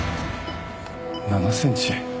７センチ。